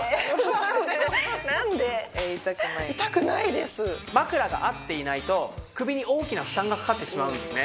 では枕を枕が合っていないと首に大きな負担がかかってしまうんですね。